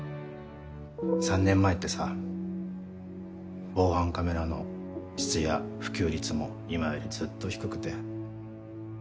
３年前ってさ防犯カメラの質や普及率も今よりずっと低くて。